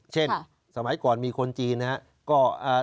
สมัยก่อนมีคนจีนนะครับ